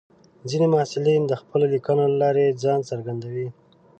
ځینې محصلین د خپلو لیکنو له لارې ځان څرګندوي.